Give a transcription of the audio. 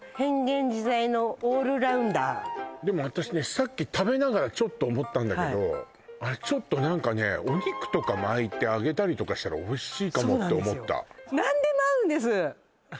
さっき食べながらちょっと思ったんだけどあれちょっと何かねお肉とか巻いて揚げたりとかしたらおいしいかもって思ったそうなんですよ